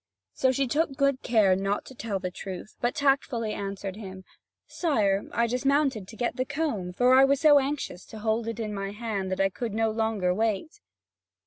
So she took good care not to tell the truth, but tactfully answered him: "Sire, I dismounted to get the comb; for I was so anxious to hold it in my hand that I could not longer wait."